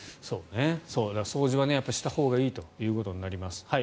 掃除はしたほうがいいということになります。